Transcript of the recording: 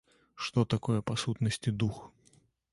Што такое па сутнасці дух.